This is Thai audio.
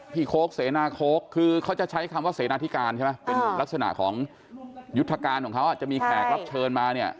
โค้กเสนาโค้กคือเขาจะใช้คำว่าเสนาธิการใช่ไหมเป็นลักษณะของยุทธการของเขาจะมีแขกรับเชิญมาเนี่ย